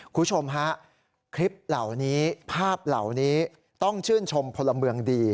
คุณผู้ชมฮะคลิปเหล่านี้ภาพเหล่านี้ต้องชื่นชมพลเมืองดี